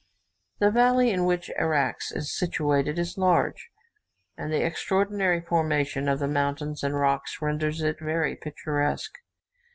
The valley in which Arax is situated is large, and the extraordinary formation of the mountains and rocks renders it very picturesque.